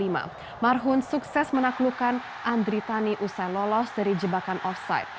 marhun sukses menaklukkan andritani usai lolos dari jebakan offside